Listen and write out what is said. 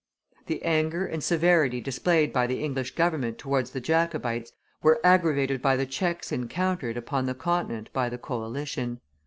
The anger and severity displayed by the English government towards the Jacobites were aggravated by the checks encountered upon the Continent by the coalition.